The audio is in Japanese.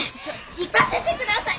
行かせて下さい！